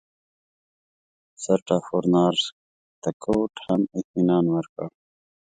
سرسټافورنارتکوټ هم اطمینان ورکړ.